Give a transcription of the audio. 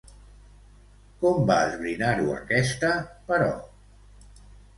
Com va esbrinar-ho aquesta, però?